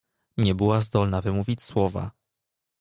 "Nie była zdolna wymówić słowa."